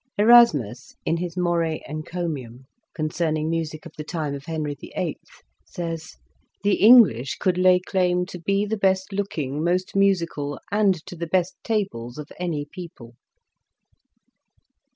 Erasmus, in his "Morae Encomium," con cerning music of the time of Henry VIII., says: "The English could lay claim to be the best looking, most musical, and to the best tables of any people."